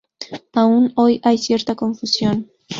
Aún hoy hay cierta confusión.